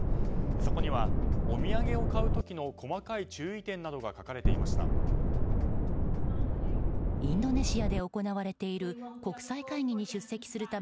そこにはお土産を買う時の細かい注意点などが書かれていました。